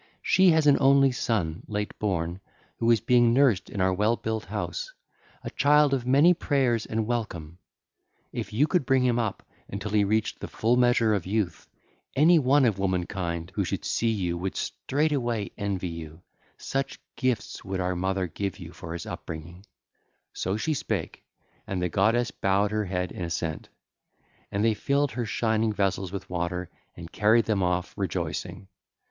She has an only son, late born, who is being nursed in our well built house, a child of many prayers and welcome: if you could bring him up until he reached the full measure of youth, any one of womankind who should see you would straightway envy you, such gifts would our mother give for his upbringing.' (ll. 169 183) So she spake: and the goddess bowed her head in assent. And they filled their shining vessels with water and carried them off rejoicing.